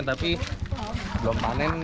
tapi belum panen